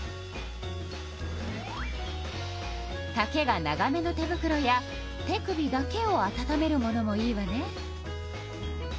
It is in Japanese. たけが長めの手ぶくろや手首だけを温めるものもいいわね。